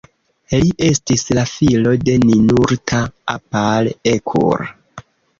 Li estis la filo de Ninurta-apal-ekur.